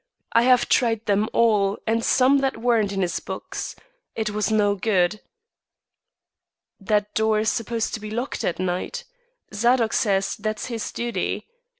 I have tried them all and some that weren't in his books. It was no good." "That door is supposed to be locked at night. Zadok says that's his duty.